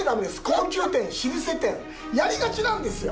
高級店老舗店やりがちなんですよ。